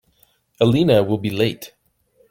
Elena will be late.